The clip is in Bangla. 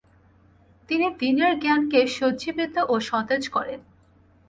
তিনি দ্বীনের জ্ঞানকে সঞ্জীবিত ও সতেজ করেন।